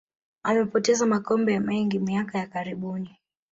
amepoteza makombe mengi miaka ya karibuni